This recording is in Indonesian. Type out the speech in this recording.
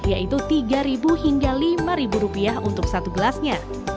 yaitu rp tiga hingga rp lima untuk satu gelasnya